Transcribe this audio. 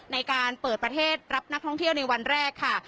ในการเปิดประเทศรับนักท่องเที่ยวในวันแรกค่ะ